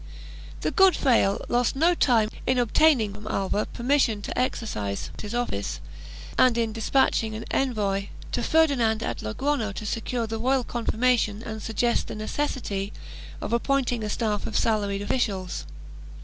The good fraile lost no time in obtaining from Alva permission to exercise his office and in despatching an envoy to Ferdinand at Logrono to secure the royal confirma tion and suggest the necessity of appointing a staff of salaried officials.